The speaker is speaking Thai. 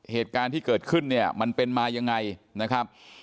เหตุการณ์ที่เกิดขึ้นเนี่ยมันเป็นมายังไงนะครับ